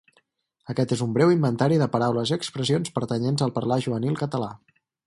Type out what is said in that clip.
Aquest és un breu inventari de paraules i expressions pertanyents al parlar juvenil català.